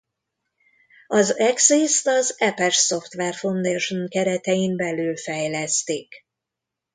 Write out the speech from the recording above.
Az Axist az Apache Software Foundation keretein belül fejlesztik.